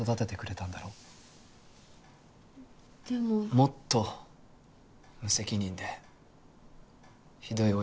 もっと無責任でひどい親はいる。